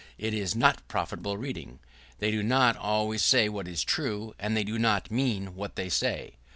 It is not profitable reading. They do not always say what is true; and they do not always mean what they say.